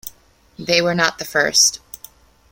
They were not the first.